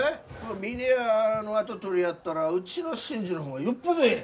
峰屋の跡取りやったらうちの伸治の方がよっぽどえい！